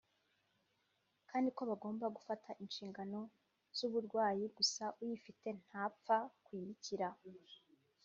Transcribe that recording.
kandi ko bagomba gufata inshingano z’uburwayi gusa uyifite ntapfa kuyikira